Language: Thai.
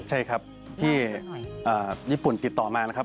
ใช่ครับที่ญี่ปุ่นติดต่อมานะครับ